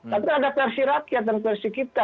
tapi ada versi rakyat dan versi kita